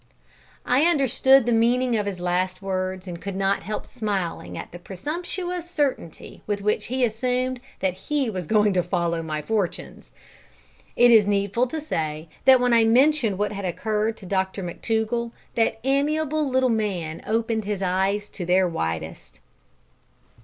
I understood the meaning of his last words, and could not help smiling at the presumptuous certainty with which he assumed that he was going to follow my fortunes. Is it needful to say that when I mentioned what had occurred to Dr McTougall that amiable little man opened his eyes to their widest?